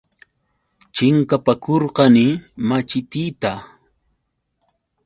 Chinkapakurqani machitiita.